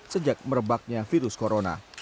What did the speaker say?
sejak merebaknya virus corona